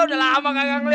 udah lama gak ngeliat nih